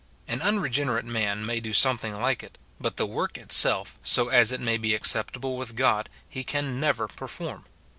An unregenerate man may do something like it ; but the work itself, so as it may be acceptable with God, he can never perform.